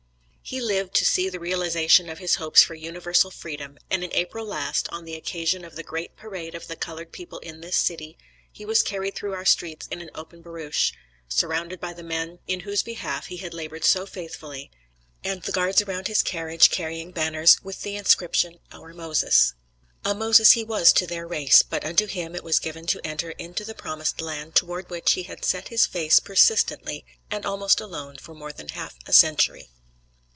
He lived to see the realization of his hopes for Universal Freedom, and in April last on the occasion of the great parade of the colored people in this city, he was carried through our streets in an open barouche, surrounded by the men in whose behalf he had labored so faithfully, and the guards around his carriage carrying banners, with the inscription, "Our Moses." A Moses he was to their race; but unto him it was given to enter into the promised land toward which he had set his face persistently and almost alone for more than half a century.